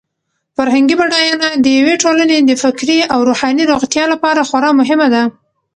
فرهنګي بډاینه د یوې ټولنې د فکري او روحاني روغتیا لپاره خورا مهمه ده.